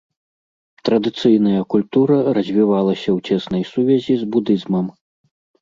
Традыцыйная культура развівалася ў цеснай сувязі з будызмам.